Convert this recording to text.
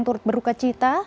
turut beruka cita